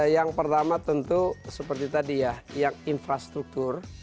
yang pertama tentu seperti tadi ya yang infrastruktur